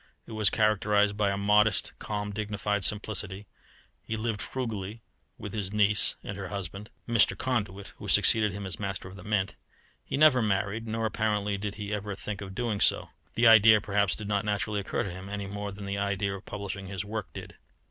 It was characterized by a modest, calm, dignified simplicity. He lived frugally with his niece and her husband, Mr. Conduit, who succeeded him as Master of the Mint. He never married, nor apparently did he ever think of so doing. The idea, perhaps, did not naturally occur to him, any more than the idea of publishing his work did.